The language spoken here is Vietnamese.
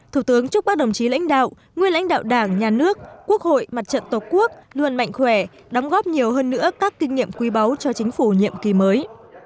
thủ tướng chúc các đồng chí lãnh đạo nguyên lãnh đạo đảng nhà nước quốc hội mặt trận tổ quốc luôn mạnh khỏe đóng góp nhiều hơn nữa các kinh nghiệm quý báu cho chính phủ nhiệm kỳ mới